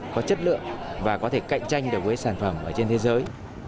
có chất lượng và có thể cạnh tranh được với sản phẩm ở trên thế giới